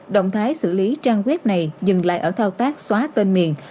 động thái xử lý trang web này dừng lại ở thao tác xóa tên miền